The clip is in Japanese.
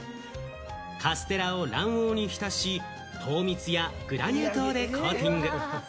カステラを卵黄にひたし、糖蜜やグラニュー糖でコーティング。